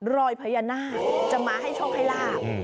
รอยพญานาคจะมาให้โชคให้ลาบ